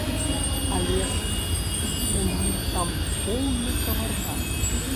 Але ж у іх там поўны кавардак!